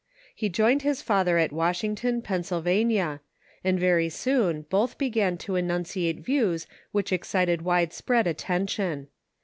He joined his father at Washington, Pennsylvania, and very soon both began to enunciate views which excited wide spread attention.